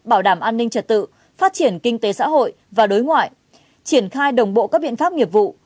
bảo đảm an ninh trật tự phát triển kinh tế xã hội và đối ngoại triển khai đồng bộ các biện pháp nghiệp vụ